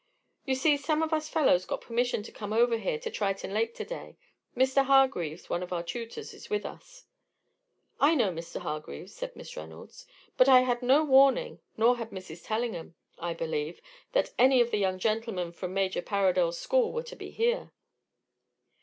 "You see, some of us fellows got permission to come over here to Triton Lake to day. Mr. Hargreaves, one of our tutors, is with us." "I know Mr. Hargreaves," said Miss Reynolds. "But I had no warning nor had Mrs. Tellingham, I believe that any of the young gentlemen from Major Parradel's school were to be here."